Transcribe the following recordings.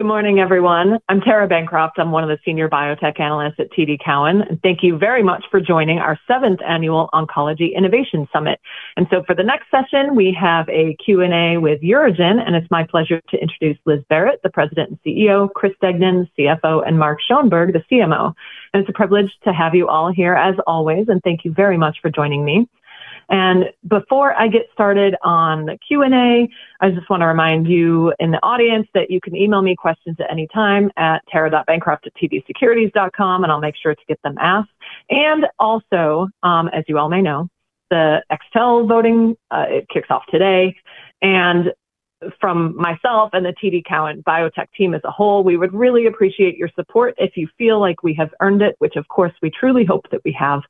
Good morning, everyone. I'm Tara Bancroft. I'm one of the Senior Biotech Analysts at TD Cowen. Thank you very much for joining our 7th Annual Oncology Innovation Summit. For the next session, we have a Q&A with UroGen. It's my pleasure to introduce Liz Barrett, the President and CEO, Chris Degnan, CFO, and Mark Schoenberg, the CMO. It's a privilege to have you all here, as always. Thank you very much for joining me. Before I get started on the Q&A, I just want to remind you in the audience that you can email me questions at any time at tara.bancroft@tdsecurities.com. I'll make sure to get them asked. Also, as you all may know, the Extel voting, it kicks off today. From myself and the TD Cowen biotech team as a whole, we would really appreciate your support if you feel like we have earned it, which of course, we truly hope that we have.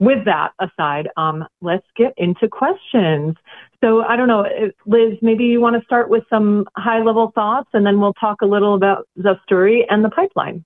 With that aside, let's get into questions. I don't know, Liz, maybe you want to start with some high-level thoughts, and then we'll talk a little about ZUSDURI and the pipeline.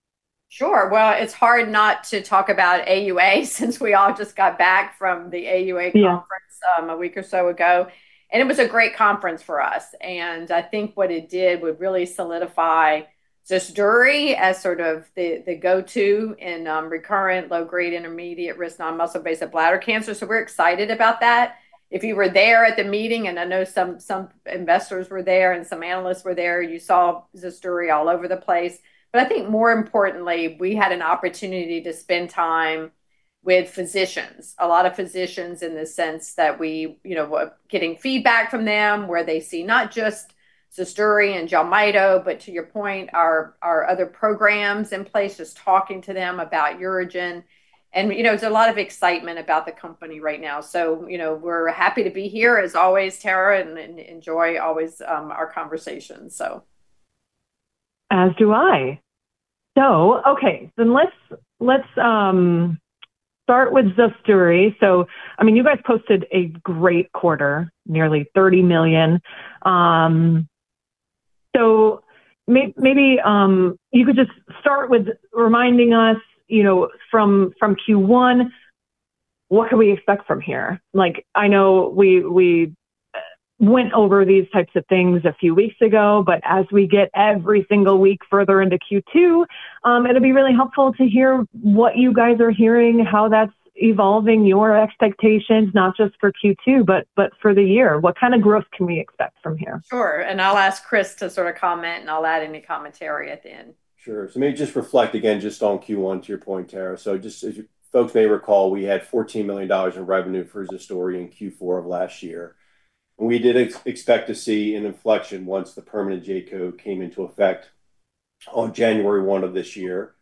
Sure. Well, it's hard not to talk about AUA since we all just got back from the AUA conference. Yeah. A week or so ago. It was a great conference for us, and I think what it did would really solidify ZUSDURI as sort of the go-to in recurrent low-grade intermediate-risk non-muscle invasive bladder cancer. We're excited about that. If you were there at the meeting, and I know some investors were there and some analysts were there, you saw ZUSDURI all over the place. I think more importantly, we had an opportunity to spend time with physicians. A lot of physicians in the sense that we were getting feedback from them where they see not just ZUSDURI and JELMYTO, but to your point, our other programs in place, just talking to them about UroGen. It's a lot of excitement about the company right now. We're happy to be here, as always, Tara, and enjoy always our conversation. As do I. Okay. Let's start with ZUSDURI. You guys posted a great quarter, nearly $30 million. Maybe you could just start with reminding us from Q1, what can we expect from here? I know we went over these types of things a few weeks ago, but as we get every single week further into Q2, it'll be really helpful to hear what you guys are hearing, how that's evolving your expectations, not just for Q2, but for the year. What kind of growth can we expect from here? Sure. I'll ask Chris to sort of comment, and I'll add any commentary at the end. Sure. Maybe just reflect again just on Q1, to your point, Tara. Just as you folks may recall, we had $14 million in revenue for ZUSDURI in Q4 of last year. We did expect to see an inflection once the permanent J-code came into effect on January 1 of this year,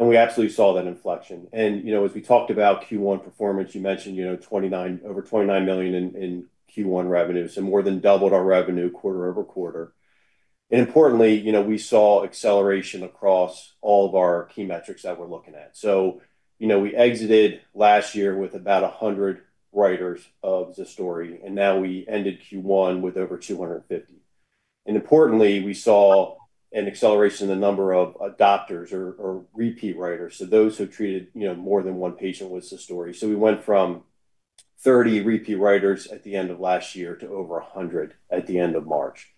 and we absolutely saw that inflection. As we talked about Q1 performance, you mentioned over $29 million in Q1 revenue, so more than doubled our revenue quarter-over-quarter. Importantly, we saw acceleration across all of our key metrics that we're looking at. We exited last year with about 100 writers of ZUSDURI, and now we ended Q1 with over 250 writers. Importantly, we saw an acceleration in the number of adopters or repeat writers. Those who treated more than one patient with ZUSDURI. We went from 30 repeat writers at the end of last year to over 100 at the end of March.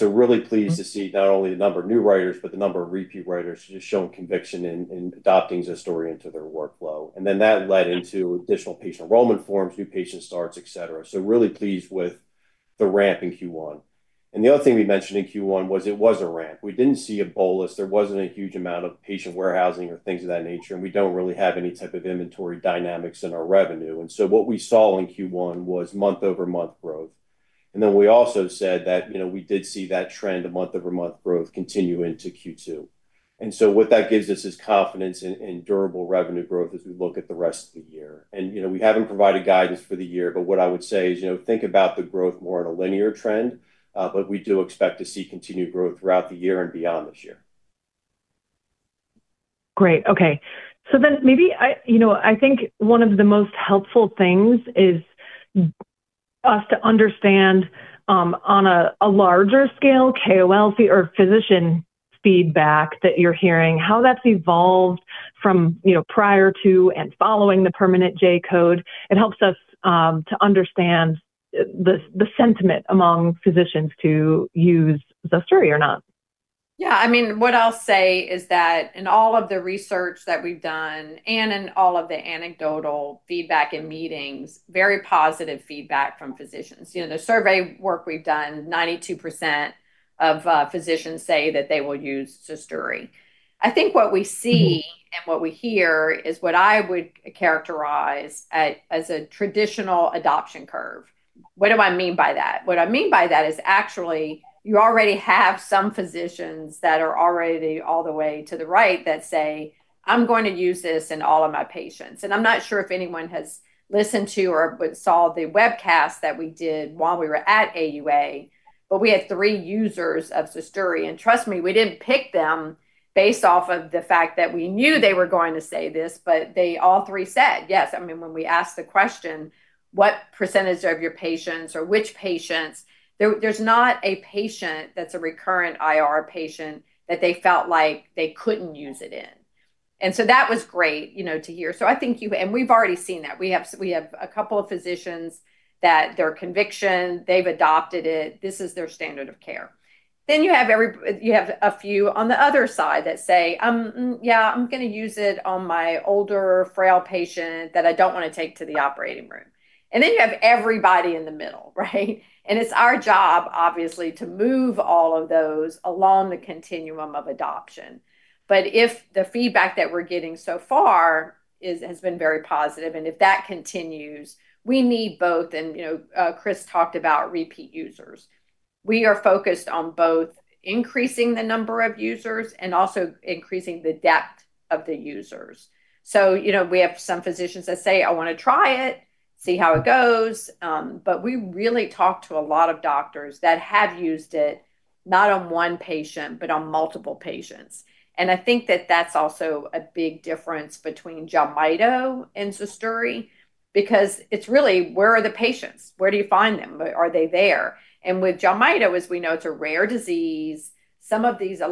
Really pleased to see not only the number of new writers, but the number of repeat writers just showing conviction in adopting ZUSDURI into their workflow. That led into additional patient enrollment forms, new patient starts, et cetera. Really pleased with the ramp in Q1. The other thing we mentioned in Q1 was it was a ramp. We didn't see a bolus. There wasn't a huge amount of patient warehousing or things of that nature, and we don't really have any type of inventory dynamics in our revenue. What we saw in Q1 was month-over-month growth. We also said that we did see that trend of month-over-month growth continue into Q2. What that gives us is confidence in durable revenue growth as we look at the rest of the year. We haven't provided guidance for the year, but what I would say is think about the growth more in a linear trend. We do expect to see continued growth throughout the year and beyond this year. Great. Okay. Maybe, I think one of the most helpful things is us to understand, on a larger scale, KOL or physician feedback that you're hearing, how that's evolved from prior to and following the permanent J-code. It helps us to understand the sentiment among physicians to use ZUSDURI or not. Yeah, what I'll say is that in all of the research that we've done, and in all of the anecdotal feedback in meetings, very positive feedback from physicians. The survey work we've done, 92% of physicians say that they will use ZUSDURI. I think what we see and what we hear is what I would characterize as a traditional adoption curve. What do I mean by that? What I mean by that is actually you already have some physicians that are already all the way to the right that say, "I'm going to use this in all of my patients." I'm not sure if anyone has listened to or saw the webcast that we did while we were at AUA. We had three users of ZUSDURI. Trust me, we didn't pick them based off of the fact that we knew they were going to say this. They all three said yes. When we asked the question, what percentage of your patients or which patients? There's not a patient that's a recurrent IR patient that they felt like they couldn't use it in. That was great to hear. We've already seen that. We have a couple of physicians that their conviction, they've adopted it. This is their standard of care. You have a few on the other side that say, "Yeah, I'm going to use it on my older, frail patient that I don't want to take to the operating room." Then you have everybody in the middle, right? It's our job, obviously, to move all of those along the continuum of adoption. If the feedback that we're getting so far has been very positive, and if that continues, we need both. Chris talked about repeat users. We are focused on both increasing the number of users and also increasing the depth of the users. We have some physicians that say, "I want to try it, see how it goes." We really talk to a lot of doctors that have used it, not on one patient, but on multiple patients. I think that that's also a big difference between JELMYTO and ZUSDURI, because it's really where are the patients? Where do you find them? Are they there? With JELMYTO, as we know, it's a rare disease. A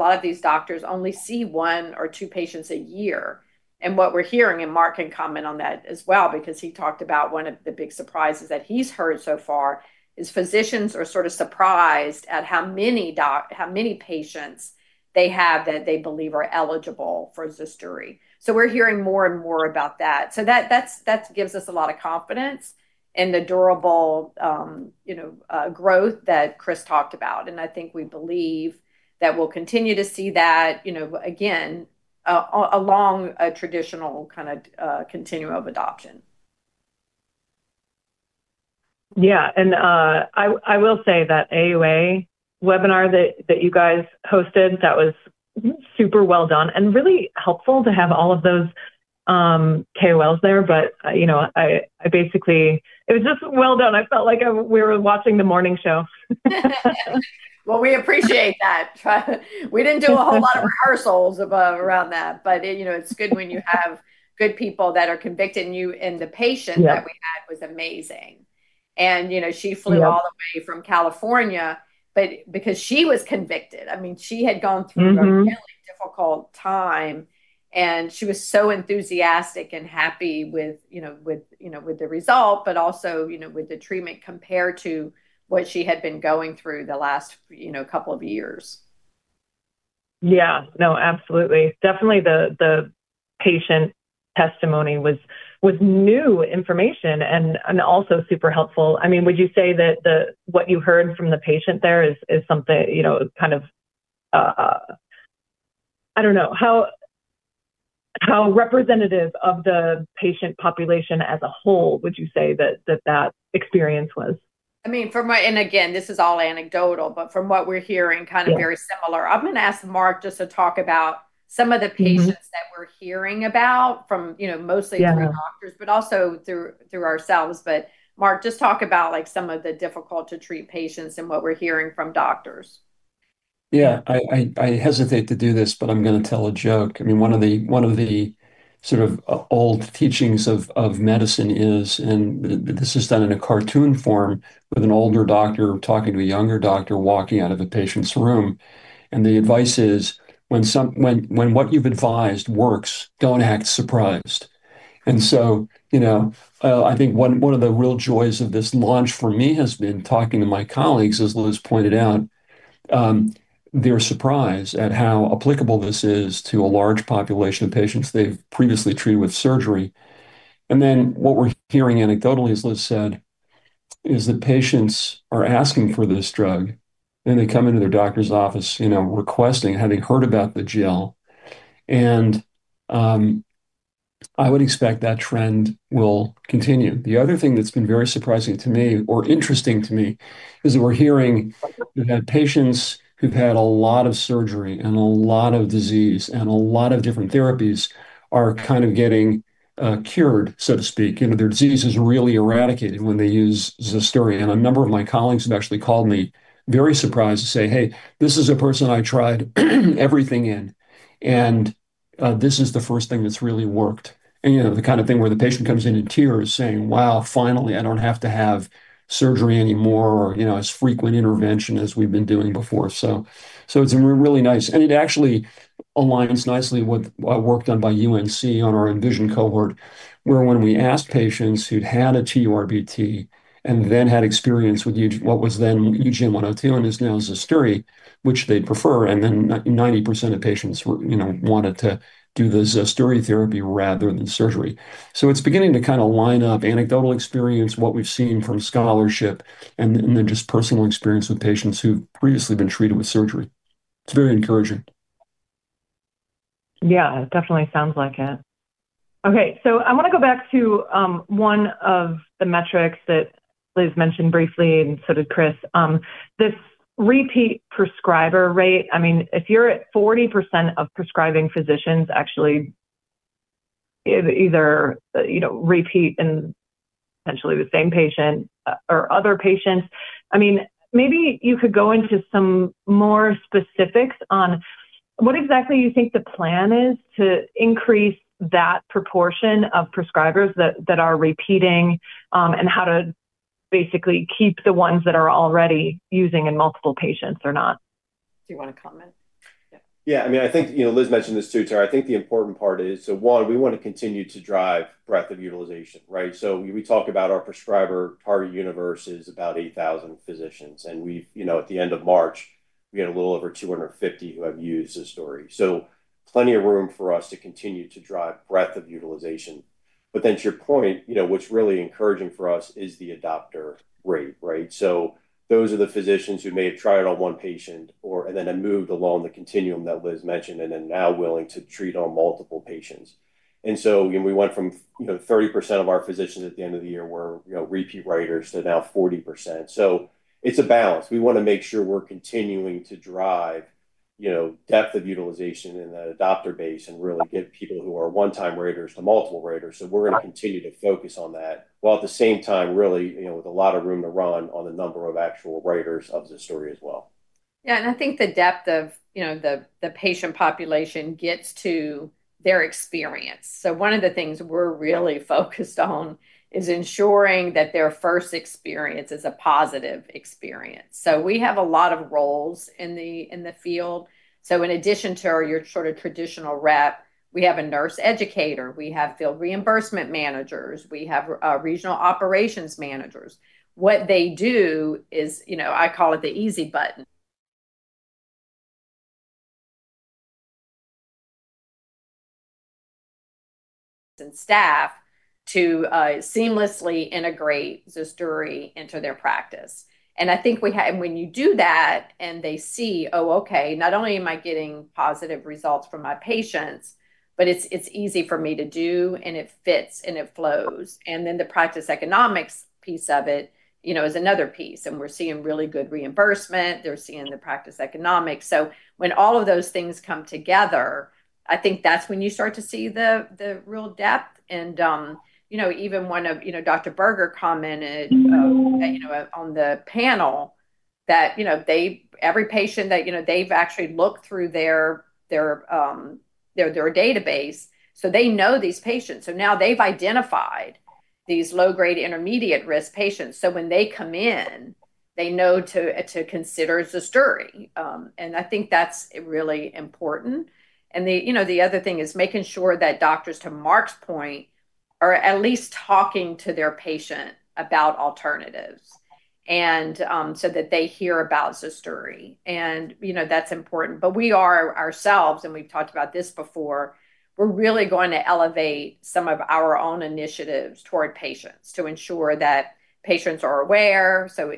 lot of these doctors only see one or two patients a year. What we're hearing, and Mark can comment on that as well, because he talked about one of the big surprises that he's heard so far is physicians are sort of surprised at how many patients they have that they believe are eligible for ZUSDURI. We're hearing more and more about that. That gives us a lot of confidence in the durable growth that Chris talked about. I think we believe that we'll continue to see that, again, along a traditional continuum of adoption. Yeah. I will say that AUA webinar that you guys hosted, that was super well done and really helpful to have all of those KOLs there, but it was just well done. I felt like we were watching the morning show. Well, we appreciate that. We didn't do a whole lot of rehearsals around that, it's good when you have good people that are convicted... Yeah. ...that we had was amazing. She flew all the way from California, but because she was convicted. She had gone through a really difficult time, and she was so enthusiastic and happy with the result, but also, with the treatment compared to what she had been going through the last couple of years. Yeah. No, absolutely. Definitely the patient testimony was new information and also super helpful. Would you say that what you heard from the patient there, how representative of the patient population as a whole would you say that that experience was? Again, this is all anecdotal, but from what we're hearing... Yeah. ...very similar. I'm going to ask Mark just to talk about some of the patients that we're hearing about from mostly... Yeah. ..through doctors, but also through ourselves. Mark, just talk about some of the difficult-to-treat patients and what we're hearing from doctors. Yeah. I hesitate to do this, but I'm going to tell a joke. One of the sort of old teachings of medicine is, and this is done in a cartoon form with an older doctor talking to a younger doctor walking out of a patient's room, and the advice is, "When what you've advised works, don't act surprised." I think one of the real joys of this launch for me has been talking to my colleagues, as Liz pointed out. They're surprised at how applicable this is to a large population of patients they've previously treated with surgery. What we're hearing anecdotally, as Liz said, is that patients are asking for this drug, and they come into their doctor's office requesting, having heard about the gel. I would expect that trend will continue. The other thing that's been very surprising to me, or interesting to me, is that we're hearing that patients who've had a lot of surgery and a lot of disease and a lot of different therapies are kind of getting cured, so to speak. Their disease is really eradicated when they use ZUSDURI, and a number of my colleagues have actually called me very surprised to say, "Hey, this is a person I tried everything in, and this is the first thing that's really worked." The kind of thing where the patient comes in in tears saying, "Wow, finally, I don't have to have surgery anymore, or as frequent intervention as we've been doing before." It's really nice. It actually aligns nicely with work done by UNC on our ENVISION cohort, where when we asked patients who'd had a TURBT and then had experience with what was then UGN-102 and is now ZUSDURI, which they'd prefer, and then 90% of patients wanted to do the ZUSDURI therapy rather than surgery. It's beginning to kind of line up anecdotal experience, what we've seen from scholarship, and then just personal experience with patients who've previously been treated with surgery. It's very encouraging. Yeah. It definitely sounds like it. Okay, I want to go back to one of the metrics that Liz mentioned briefly and so did Chris. This repeat prescriber rate. If you're at 40% of prescribing physicians actually either repeat in potentially the same patient or other patients, maybe you could go into some more specifics on what exactly you think the plan is to increase that proportion of prescribers that are repeating, and how to basically keep the ones that are already using in multiple patients or not. Do you want to comment? I think Liz mentioned this too, Tara, I think the important part is, we want to continue to drive breadth of utilization, right? We talk about our prescriber target universe is about 8,000 physicians, and at the end of March, we had a little over 250 physicians who have used ZUSDURI. Plenty of room for us to continue to drive breadth of utilization. To your point, what's really encouraging for us is the adopter rate, right? Those are the physicians who may have tried it on one patient and then have moved along the continuum that Liz mentioned and are now willing to treat on multiple patients. We went from 30% of our physicians at the end of the year were repeat writers to now 40%. It's a balance. We want to make sure we're continuing to drive depth of utilization in that adopter base and really get people who are one-time writers to multiple writers. We're going to continue to focus on that. While at the same time, really, with a lot of room to run on the number of actual writers of ZUSDURI as well. Yeah, I think the depth of the patient population gets to their experience. One of the things we're really focused on is ensuring that their first experience is a positive experience. We have a lot of roles in the field. In addition to your sort of traditional rep, we have a nurse educator, we have field reimbursement managers, we have regional operations managers. What they do is, I call it the easy button. Staff to seamlessly integrate ZUSDURI into their practice. I think when you do that and they see, "Oh, okay, not only am I getting positive results from my patients, but it's easy for me to do, and it fits and it flows." Then the practice economics piece of it is another piece, and we're seeing really good reimbursement. They're seeing the practice economics. When all of those things come together, I think that's when you start to see the real depth. Even Dr. Berger commented on the panel that every patient that they've looked through their database, they know these patients. Now they've identified these low-grade intermediate-risk patients. When they come in, they know to consider ZUSDURI. I think that's really important. The other thing is making sure that doctors, to Mark's point, are at least talking to their patient about alternatives, that they hear about ZUSDURI, that's important. We are ourselves, we've talked about this before, we're really going to elevate some of our own initiatives toward patients to ensure that patients are aware. Second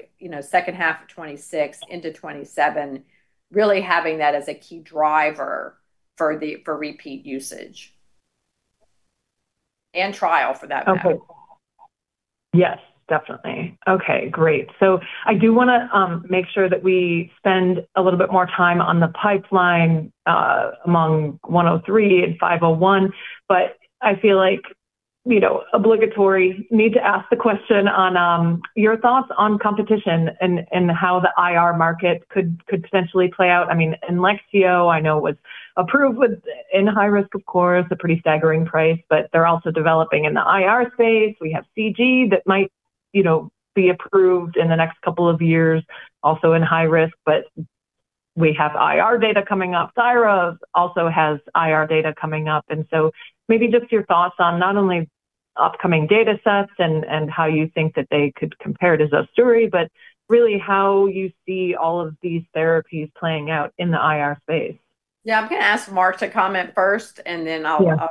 half of 2026 into 2027, really having that as a key driver for repeat usage and trial for that matter. Okay. Yes, definitely. Okay, great. I do want to make sure that we spend a little bit more time on the pipeline among 103 and 501. I feel like obligatory need to ask the question on your thoughts on competition and how the IR market could potentially play out. INLEXZO I know was approved with in high risk, of course, a pretty staggering price, but they're also developing in the IR space. We have CG that might be approved in the next couple of years, also in high risk, but we have IR data coming up. Tyra also has IR data coming up, and so maybe just your thoughts on not only upcoming data sets and how you think that they could compare to ZUSDURI, but really how you see all of these therapies playing out in the IR space. Yeah, I'm going to ask Mark to comment first, and then I'll add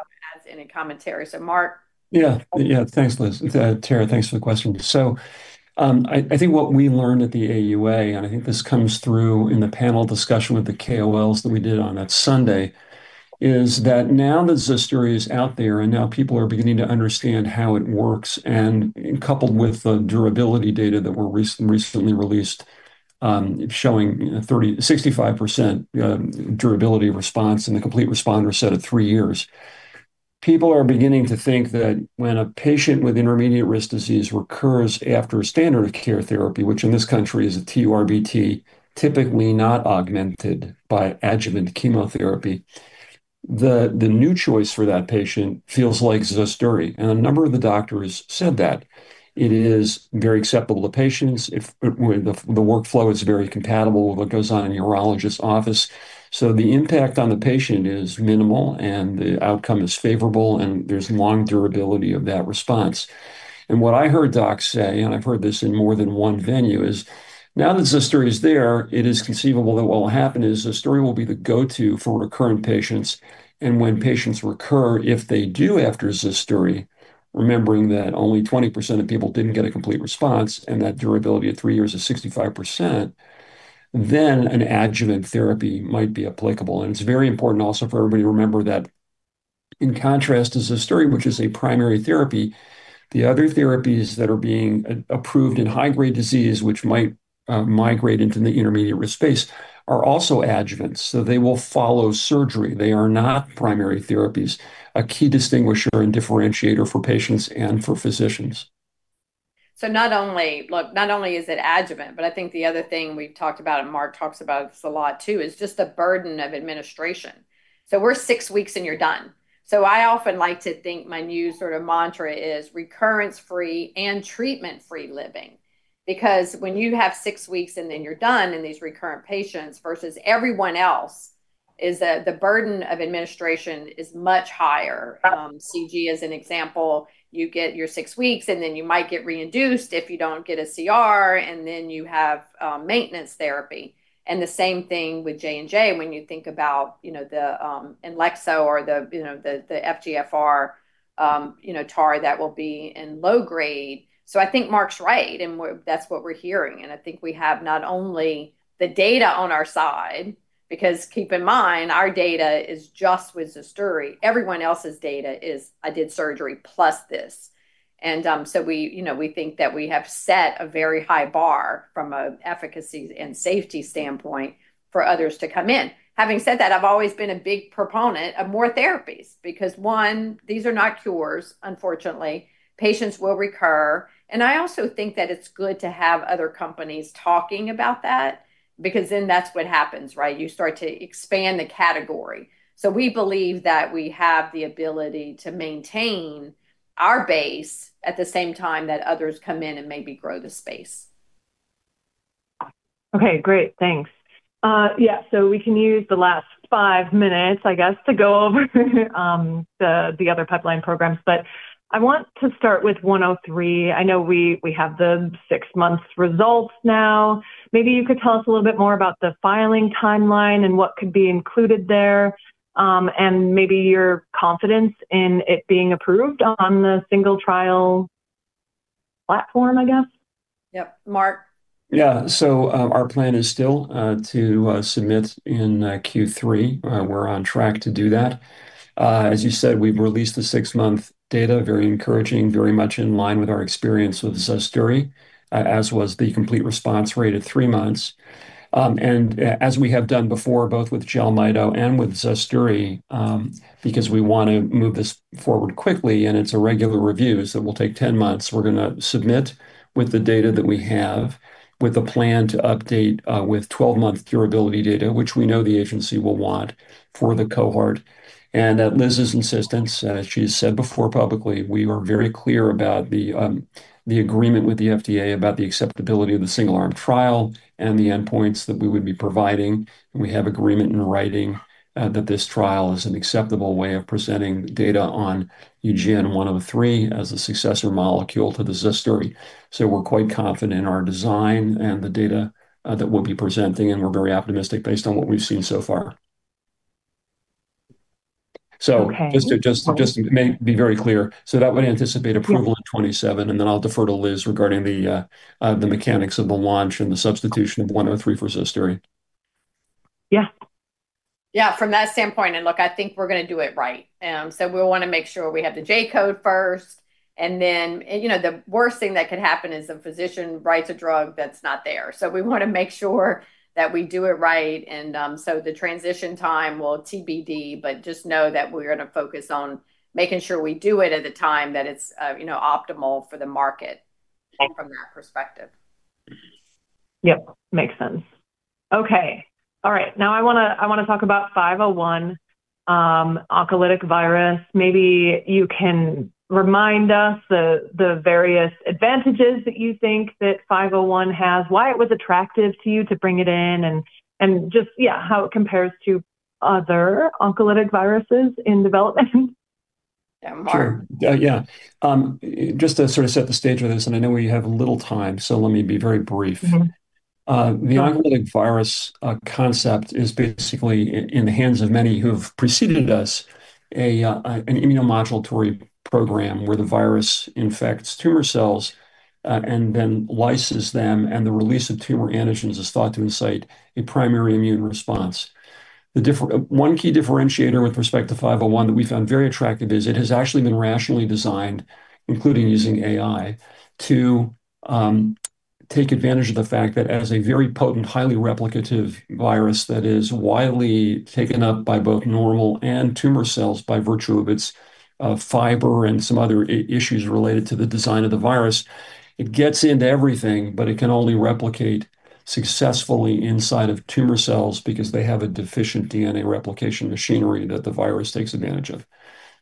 any commentary. Mark. Yeah. Thanks, Liz. Tara, thanks for the question. I think what we learned at the AUA, and I think this comes through in the panel discussion with the KOLs that we did on that Sunday, is that now that ZUSDURI is out there, and now people are beginning to understand how it works, and coupled with the durability data that were recently released, showing 65% durability of response in a complete responder set of three years. People are beginning to think that when a patient with intermediate-risk disease recurs after standard of care therapy, which in this country is a TURBT, typically not augmented by adjuvant chemotherapy, the new choice for that patient feels like ZUSDURI. A number of the doctors said that. It is very acceptable to patients. The workflow is very compatible with what goes on in a urologist's office. The impact on the patient is minimal, and the outcome is favorable, and there's long durability of that response. What I heard docs say, and I've heard this in more than one venue, is now that ZUSDURI is there, it is conceivable that what will happen is ZUSDURI will be the go-to for recurrent patients. When patients recur, if they do after ZUSDURI, remembering that only 20% of people didn't get a complete response and that durability at three years is 65%, then an adjuvant therapy might be applicable. It's very important also for everybody to remember that in contrast to ZUSDURI, which is a primary therapy, the other therapies that are being approved in high-grade disease, which might migrate into the intermediate-risk space, are also adjuvants. They will follow surgery. They are not primary therapies, a key distinguisher and differentiator for patients and for physicians. Not only is it adjuvant, I think the other thing we've talked about, and Mark talks about this a lot too, is just the burden of administration. We're six weeks, you're done. I often like to think my new sort of mantra is recurrence-free and treatment-free living. Because when you have six weeks you're done in these recurrent patients versus everyone else, is that the burden of administration is much higher. CG as an example, you get your six weeks, you might get reinduced if you don't get a CR, you have maintenance therapy. The same thing with J&J, when you think about INLEXZO or the FGFR TKI that will be in low-grade. I think Mark's right, and that's what we're hearing, and I think we have not only the data on our side, because keep in mind, our data is just with ZUSDURI. Everyone else's data is, "I did surgery plus this." We think that we have set a very high bar from an efficacy and safety standpoint for others to come in. Having said that, I've always been a big proponent of more therapies, because one, these are not cures, unfortunately. Patients will recur, and I also think that it's good to have other companies talking about that, because then that's what happens, right? You start to expand the category. We believe that we have the ability to maintain our base at the same time that others come in and maybe grow the space. Okay, great. Thanks. Yeah, so we can use the last five minutes, I guess, to go over the other pipeline programs. I want to start with UGN-103. I know we have the six months results now. Maybe you could tell us a little bit more about the filing timeline and what could be included there, and maybe your confidence in it being approved on the single trial platform, I guess. Yep. Mark? Yeah. Our plan is still to submit in Q3. We're on track to do that. As you said, we've released the six-month data, very encouraging, very much in line with our experience with ZUSDURI, as was the complete response rate at three months. As we have done before, both with JELMYTO and with ZUSDURI, because we want to move this forward quickly, and it's a regular review, so it will take 10 months. We're going to submit with the data that we have with a plan to update with 12-month durability data, which we know the agency will want for the cohort. At Liz's insistence, as she has said before publicly, we were very clear about the agreement with the FDA about the acceptability of the single-arm trial and the endpoints that we would be providing. We have agreement in writing that this trial is an acceptable way of presenting data on UGN-103 as a successor molecule to the ZUSDURI. We're quite confident in our design and the data that we'll be presenting, and we're very optimistic based on what we've seen so far. Okay. Just to be very clear, that would anticipate approval in 2027, I'll defer to Liz regarding the mechanics of the launch and the substitution of UGN-103 for ZUSDURI. Yeah. Yeah, from that standpoint, look, I think we're going to do it right. We want to make sure we have the J-code first, then the worst thing that could happen is a physician writes a drug that's not there. We want to make sure that we do it right. The transition time, well, TBD, just know that we're going to focus on making sure we do it at a time that it's optimal for the market from that perspective. Yep, makes sense. Okay. All right. Now I want to talk about UGN-501 oncolytic virus. Maybe you can remind us the various advantages that you think that UGN-501 has, why it was attractive to you to bring it in, and just, yeah, how it compares to other oncolytic viruses in development. Mark? Sure. Yeah. Just to set the stage on this, and I know we have little time, so let me be very brief. The oncolytic virus concept is basically in the hands of many who have preceded us, an immunomodulatory program where the virus infects tumor cells, and then lyses them, and the release of tumor antigens is thought to incite a primary immune response. One key differentiator with respect to UGN-501 that we found very attractive is it has actually been rationally designed, including using AI, to take advantage of the fact that as a very potent, highly replicative virus that is widely taken up by both normal and tumor cells by virtue of its fiber and some other issues related to the design of the virus. It gets into everything, but it can only replicate successfully inside of tumor cells because they have a deficient DNA replication machinery that the virus takes advantage of.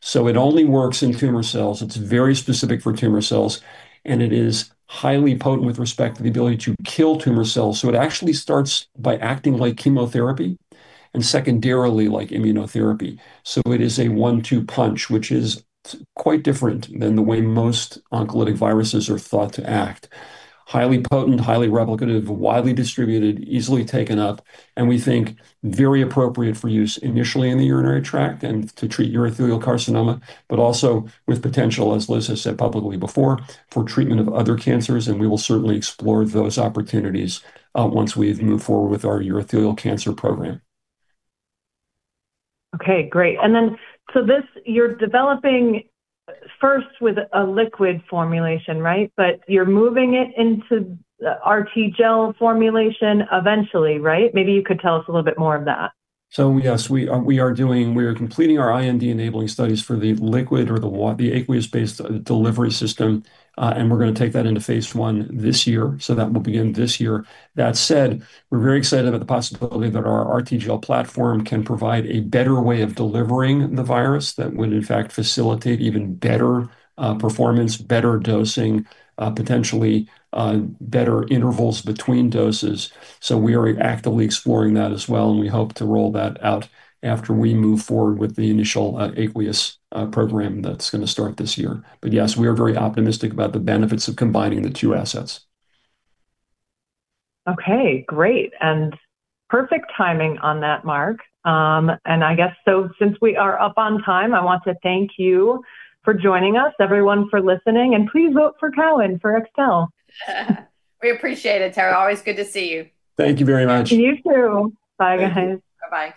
It only works in tumor cells. It's very specific for tumor cells, and it is highly potent with respect to the ability to kill tumor cells. It actually starts by acting like chemotherapy and secondarily like immunotherapy. It is a one-two punch, which is quite different than the way most oncolytic viruses are thought to act. Highly potent, highly replicative, widely distributed, easily taken up, and we think very appropriate for use initially in the urinary tract and to treat urothelial carcinoma, but also with potential, as Liz has said publicly before, for treatment of other cancers, and we will certainly explore those opportunities once we've moved forward with our urothelial cancer program. Okay, great. This, you're developing first with a liquid formulation, right? You're moving it into RTGel formulation eventually, right? Maybe you could tell us a little bit more of that. Yes, we are completing our IND-enabling studies for the liquid or the aqueous-based delivery system, and we're going to take that into phase I this year. That will begin this year. That said, we're very excited at the possibility that our RTGel platform can provide a better way of delivering the virus that would in fact facilitate even better performance, better dosing, potentially better intervals between doses. We are actively exploring that as well, and we hope to roll that out after we move forward with the initial aqueous program that's going to start this year. Yes, we are very optimistic about the benefits of combining the two assets. Okay. Great, perfect timing on that, Mark. I guess, since we are up on time, I want to thank you for joining us, everyone for listening, please vote for Cowen for Extel. We appreciate it. Always good to see you. Thank you very much. You too. Bye, guys. Bye-bye.